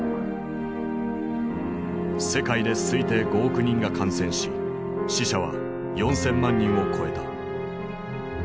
世界で推定５億人が感染し死者は４，０００万人を超えた。